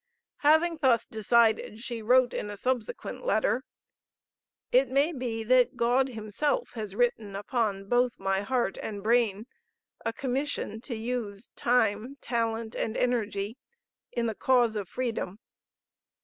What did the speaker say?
Having thus decided, she wrote in a subsequent letter, "It may be that God himself has written upon both my heart and brain a commission to use time, talent and energy in the cause of freedom."